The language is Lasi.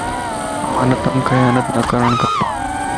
امانت مَ خيانت نه ڪرڻ کپ